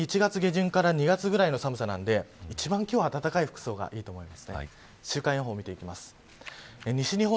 １月下旬から２月くらいの寒さなんで今日は一番暖かい服装がいいと思います。